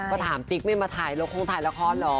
ก็ถามติ๊กไม่มาถ่ายละครคงถ่ายละครเหรอ